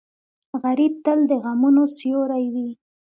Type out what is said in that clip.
غریب تل د غمونو سیوری وي